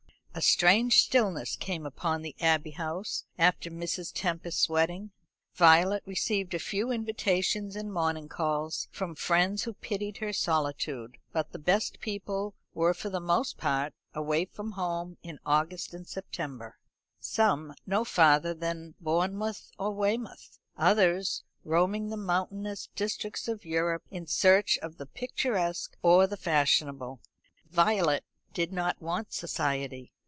A strange stillness came upon the Abbey House after Mrs. Tempest's wedding. Violet received a few invitations and morning calls from friends who pitied her solitude; but the best people were for the most part away from home in August and Septernber; some no farther than Bournemouth or Weymouth; others roaming the mountainous districts of Europe in search of the picturesque or the fashionable. Violet did not want society.